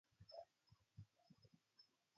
وغلام شظى بكرفس مفساه